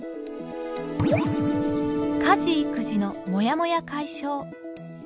家事育児のもやもや解消。